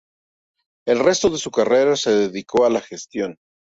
El resto de su carrera se dedicó a la gestión.